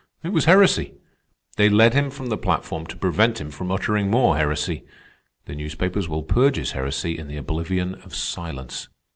It was heresy. They led him from the platform to prevent him from uttering more heresy. The newspapers will purge his heresy in the oblivion of silence.